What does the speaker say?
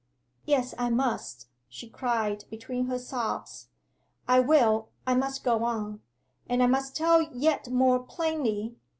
'Yes I must,' she cried, between her sobs. 'I will I must go on! And I must tell yet more plainly!...